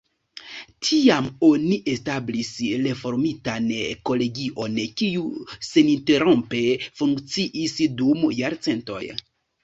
Tiam oni establis reformitan kolegion, kiu seninterrompe funkciis dum jarcentoj.